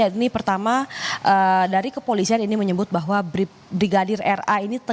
ini pertama dari kepolisian ini menyebut bahwa brigadir ra ini